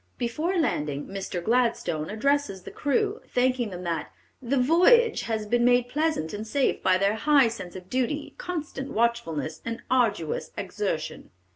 Before landing, Mr. Gladstone addresses the crew, thanking them that "the voyage has been made pleasant and safe by their high sense of duty, constant watchfulness, and arduous exertion."